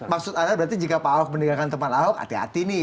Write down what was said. maksud anda berarti jika pak ahok meninggalkan teman ahok hati hati nih